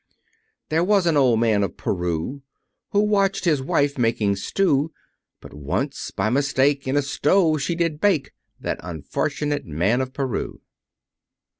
There was an Old Man of Peru, Who watched his wife making a stew; But once, by mistake, in a stove she did bake That unfortunate Man of Peru.